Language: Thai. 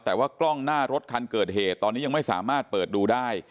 แต่ว่ากล้องหน้ารถคันเกิดเหตุตอนนี้ยังไม่สามารถเปิดดูได้